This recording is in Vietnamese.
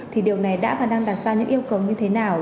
thì điều này đã và đang đặt ra những yêu cầu như thế nào